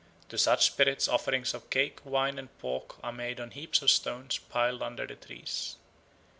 To such spirits offerings of cake, wine, and pork are made on heaps of stones piled under the trees.